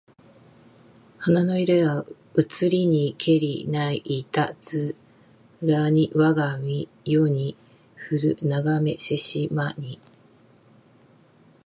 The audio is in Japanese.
花の色はうつりにけりないたづらにわが身世にふるながめせしまに